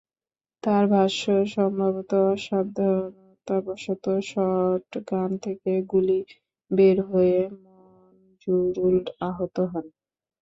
তাঁর ভাষ্য, সম্ভবত অসাবধানতাবশত শটগান থেকে গুলি বের হয়ে মনজুরুল আহত হন।